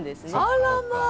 あらまあ。